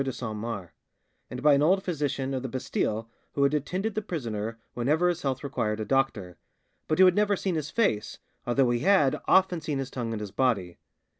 de Saint Mars, and by an old physician of the Bastille who had attended the prisoner whenever his health required a doctor, but who had never seen his face, although he had "often seen his tongue and his body."